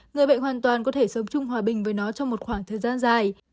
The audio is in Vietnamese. người bệnh hoàn toàn có thể sống chung hòa bình với nó trong một khoảng thời gian dài